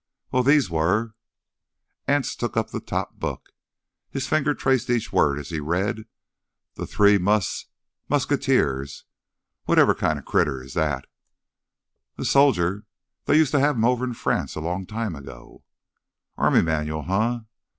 "Well, these were—" Anse took up the top book. His finger traced each word as he read. "The Three Mus—Musketeers. Whatever kinda critter is that?" "A soldier. They used to have them over in France a long time ago." "Army manual, eh?